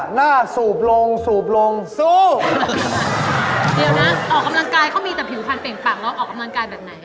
เหรอ